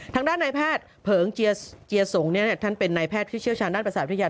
ทางด้านนายแพทย์เผิงเจียสงฆ์ท่านเป็นนายแพทย์ที่เชี่ยวชาญด้านประสาทวิทยา